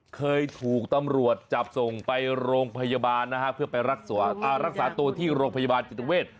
เคยถูกตำรวจจับส่งไปโรงพยาบาลลักษาตัวที่โรงพยาบาลกิจเวช